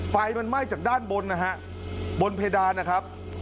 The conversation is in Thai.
ไฟมันไหม้จากด้านบนนะฮะบนเพดานนะครับ